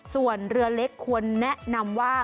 ส่วนเรือเล็กควรแนะนำว่า